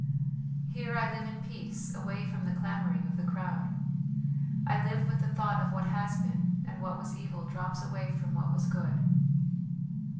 "Here I live in peace away from the clamouring of the crowd; I live with the thought of what has been, and what was evil drops away from what was good.